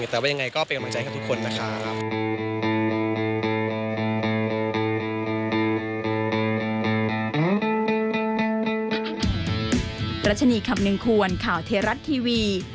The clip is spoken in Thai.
แต่ว่ายังไงก็เป็นกำลังใจกับทุกคนนะครับ